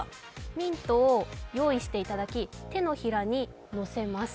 ミントを用意していただき、手のひらに乗せます。